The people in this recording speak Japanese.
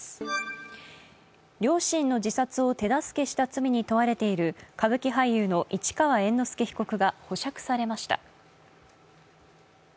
両親の自殺を手助けした罪に問われている歌舞伎俳優の市川猿之助被告が保釈されました。